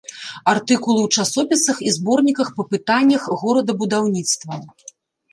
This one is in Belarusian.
Артыкулы ў часопісах і зборніках па пытаннях горадабудаўніцтва.